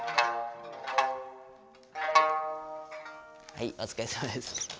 はいお疲れさまです。